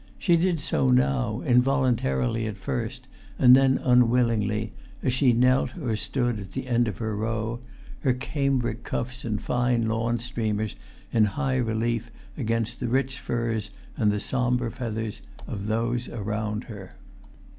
She did so now, involuntarily at first, and then unwillingly, as she knelt or stood at the end of her row—her cambric cuffs and fine lawn streamers in high relief against the rich furs and the sombre feathers of those about her.